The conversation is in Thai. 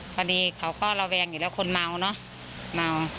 พอดีเขาก็ระแวงอยู่แล้วคนเมาเนอะเมา